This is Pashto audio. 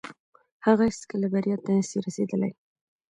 هغه هيڅکه بريا ته نسي رسيدلاي.